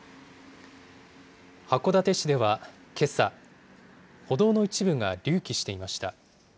函館市ではけさ、歩道の一部が隆起していました。